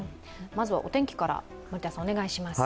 まずは、お天気からお願いします。